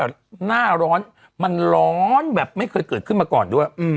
หน้าร้อนมันร้อนแบบไม่เคยเกิดขึ้นมาก่อนด้วย